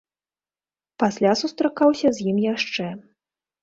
Пасля сустракаўся з ім яшчэ.